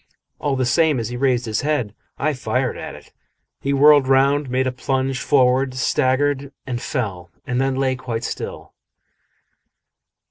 All the same, as he raised his head, I fired at it. He whirled round, made a plunge forward, staggered and fell, and then lay quite still.